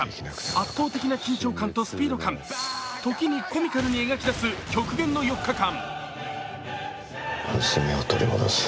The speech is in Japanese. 圧倒的な緊張感とスピード感、時にコミカルに描き出す極限の４日間。